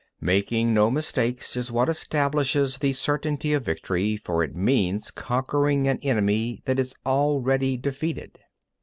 Making no mistakes is what establishes the certainty of victory, for it means conquering an enemy that is already defeated.